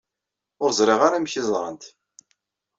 Ur ẓriɣ ara amek ay ẓrant.